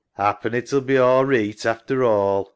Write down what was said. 'Appen it'll be all reeght after all.